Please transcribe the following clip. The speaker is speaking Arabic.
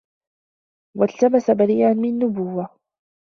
وَالْتَمَسَ بَرِيئًا مِنْ نَبْوَةٍ